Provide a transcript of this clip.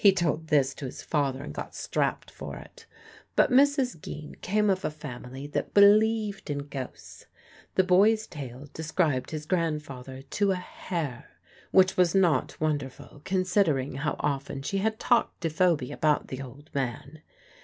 He told this to his father and got strapped for it. But Mrs. Geen came of a family that believed in ghosts. The boy's tale described his grandfather to a hair which was not wonderful considering how often she had talked to Phoby about the old man.